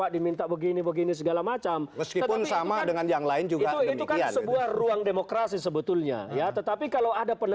di dalam a insider